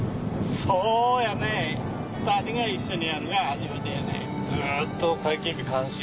そうやね２人が一緒にやるがは初めてやね。